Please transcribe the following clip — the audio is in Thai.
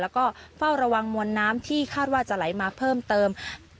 แล้วก็เฝ้าระวังมวลน้ำที่คาดว่าจะไหลมาเพิ่มเติม